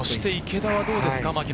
池田はどうですか？